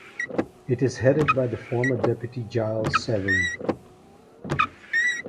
It is headed by the former deputy Gilles Savary.